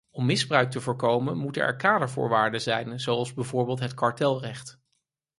Om misbruik te voorkomen moeten er kadervoorwaarden zijn, zoals bijvoorbeeld het kartelrecht.